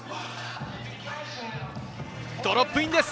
ドロップインです。